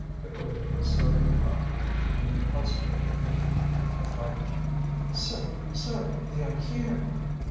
Hippolyte was serving the coffee when the housemaid entered in a fright. "Sir, sir, they are here!"